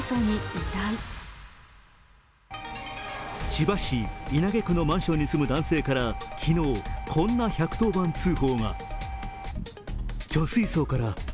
千葉市稲毛区のマンションに住む男性から昨日、こんな１１０番通報が。